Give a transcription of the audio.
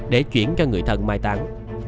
để chuyển cho người thần mai tán